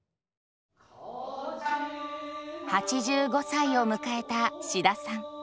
８５歳を迎えた志田さん。